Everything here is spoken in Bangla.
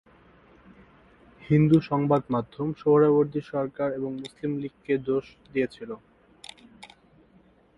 হিন্দু সংবাদমাধ্যম সোহরাওয়ার্দী সরকার এবং মুসলিম লীগকে দোষ দিয়েছিল।